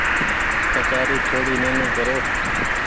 ڪچآري ٿوڙي نيني ڪرو۔